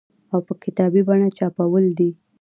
او په کتابي بڼه چاپول دي